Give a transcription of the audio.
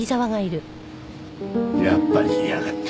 やっぱり居やがった。